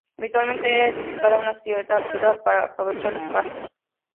Habitualmente era edificada a una cierta altura para aprovechar los pastos.